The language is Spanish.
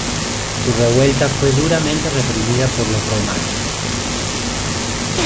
Su revuelta fue duramente reprimida por los romanos.